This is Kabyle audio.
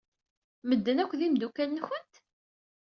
Medden-a akk d imeddukal-nwent?